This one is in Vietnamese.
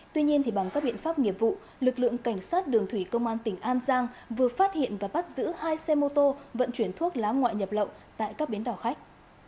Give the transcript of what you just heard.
tuy nhiên bằng các biện pháp nghiệp vụ lực lượng cảnh sát đường thủy công an tỉnh an giang vừa phát hiện và bắt giữ hai xe mô tô vận chuyển thuốc lá ngoại nhập lậu tại các bến đỏ khách